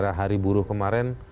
gara gara hari buruh kemarin